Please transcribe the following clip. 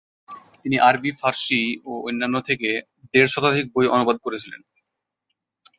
তিনি আরবি ফারসি ও অন্যান্য থেকে দেড় শতাধিক বই অনুবাদ করেছিলেন।